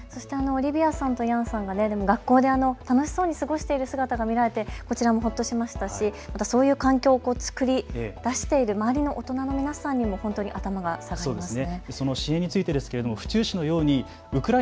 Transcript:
オリビアさんとヤンさんが学校で楽しそうに過ごしている姿が見られてこちらもほっとしましたしそういう環境をつくり出している周りの大人の皆さんにも本当に頭が下がりますね。